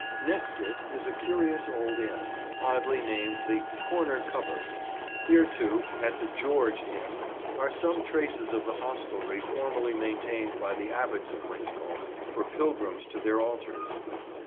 Next it is a curious old inn, oddly named the "Corner Cupboard." Here, too, at the "George" inn, are some traces of the hostelry formerly maintained by the Abbots of Winchcombe for pilgrims to their altars.